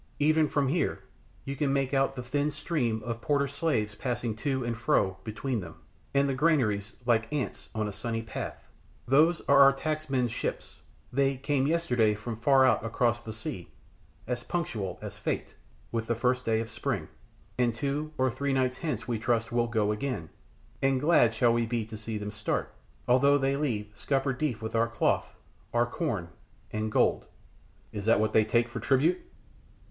Even from here you can make out the thin stream of porter slaves passing to and fro between them and the granaries like ants on a sunny path. Those are our tax men's ships, they came yesterday from far out across the sea, as punctual as fate with the first day of spring, and two or three nights hence we trust will go again: and glad shall we be to see them start, although they leave scupper deep with our cloth, our corn, and gold." "Is that what they take for tribute?"